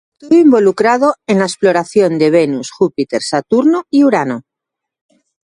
Estuvo involucrado en la exploración de Venus, Júpiter, Saturno y Urano.